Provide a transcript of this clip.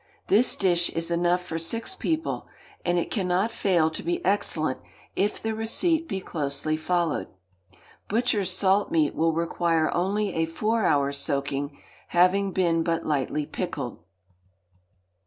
This dish is enough for six people, and it cannot fail to be excellent if the receipt be closely followed. Butchers' salt meat will require only a four hours' soaking, having been but lightly pickled.